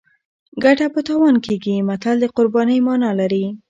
ګټه په تاوان کېږي متل د قربانۍ مانا لري